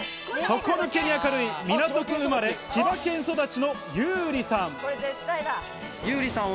底抜けに明るい港区生まれ、千葉県育ちのユウリさん。